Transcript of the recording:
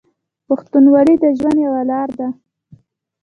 پښتونولي د ژوند یوه لار ده.